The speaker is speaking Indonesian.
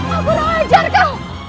aku kurang ajar kau